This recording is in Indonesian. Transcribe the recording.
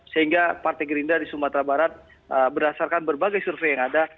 sehingga partai gerindra di sumatera barat berdasarkan berbagai survei yang ada